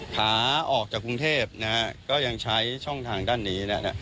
ขาออกจากกรุงเทพนะฮะก็ยังใช้ช่องทางด้านนี้